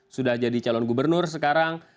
sudah jadi calon gubernur sekarang